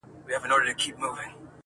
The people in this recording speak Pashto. • دا وینا له دومره پوچو الفاظو -